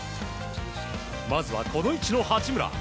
まずは、この位置の八村。